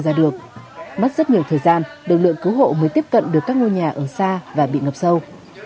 ra được mất rất nhiều thời gian lực lượng cứu hộ mới tiếp cận được các ngôi nhà ở xa và bị ngập sâu